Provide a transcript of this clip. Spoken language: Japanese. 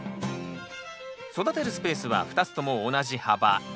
育てるスペースは２つとも同じ幅６０ｃｍ。